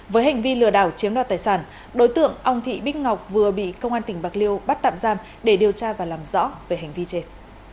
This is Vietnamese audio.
với hành vi lừa đảo chiếm đoạt tài sản đối tượng ông thị bích ngọc vừa bị công an tỉnh bạc liêu bắt tạm giam để điều tra và làm rõ về hành vi trên